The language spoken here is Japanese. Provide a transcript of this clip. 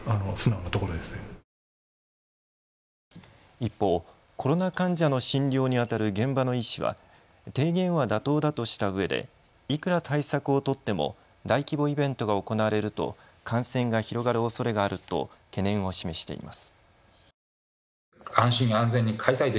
一方、コロナ患者の診療にあたる現場の医師は提言は妥当だとしたうえでいくら対策を取っても大規模イベントが行われると感染が広がるおそれがあると懸念を示しています。